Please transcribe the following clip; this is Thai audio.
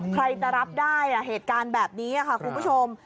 ใครจะรับได้เหตุการณ์แบบนี้ค่ะคุณผู้ชม